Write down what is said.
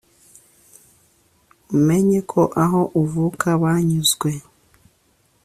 umenye ko aho uvuka banyuzwe